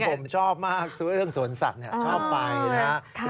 คุณผมชอบมากศักดิ์โรคสวนสัตว์ชอบไปนะ